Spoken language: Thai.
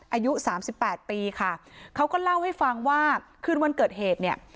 อายุสามสิบแปดปีค่ะเขาก็เล่าให้ฟังว่าคืนวันเกิดเหตุเนี่ย